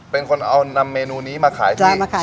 เป็นคนเอานำเมนูนี้มาขายที่